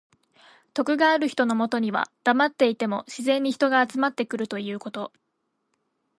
徳がある人のもとにはだまっていても自然に人が集まってくるということ。